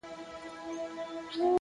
حکمت د اورېدو هنر هم دی!